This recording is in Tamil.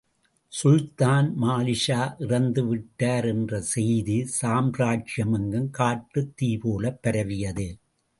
சுல்தான் மாலிக்ஷா இறந்துவிட்டார் என்ற செய்தி சாம்ராஜ்யமெங்கும் காட்டுத் தீ போலப் பரவியது.